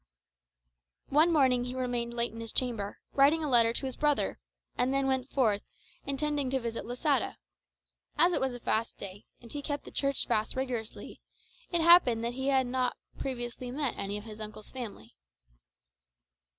One morning he remained late in his chamber, writing a letter to his brother; and then went forth, intending to visit Losada. As it was a fast day, and he kept the Church fasts rigorously, it happened that he had not previously met any of his uncle's family.